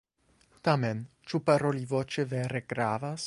Tamen, ĉu paroli voĉe vere gravas?